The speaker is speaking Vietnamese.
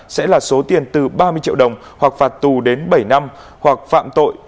sẽ là số tiền từ ba mươi triệu đồng hoặc phạt tù đến bảy năm hoặc phạm tội